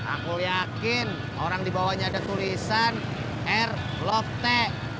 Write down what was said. aku yakin orang dibawanya ada tulisan air lofty